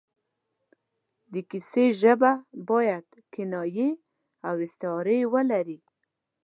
د کیسې ژبه باید کنایې او استعارې ولري.